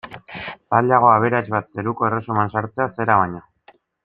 Zailagoa aberats bat zeruko erresuman sartzea zera baino.